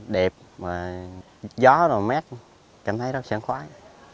đẹp gió mát cảm thấy rất là sáng khoái